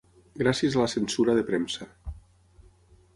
Gràcies a la censura de premsa